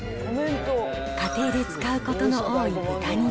家庭で使うことの多い豚肉。